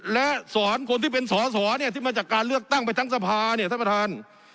และสอนคนที่เป็นสอสอเนี่ยที่มาจากการเลือกตั้งไปทั้งสภาเนี่ยท่านประธาน